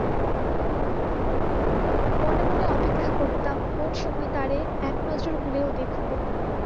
মনে-মনে অপেক্ষা করতাম কোন সময় তারে কনজার হলেও দেখব।